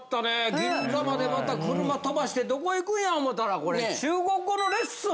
銀座までまた車飛ばしてどこ行くんや思ったらこれ中国語のレッスン？